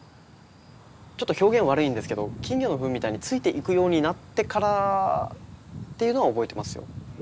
ちょっと表現悪いんですけど金魚のフンみたいについていくようになってからっていうのは覚えてますよ。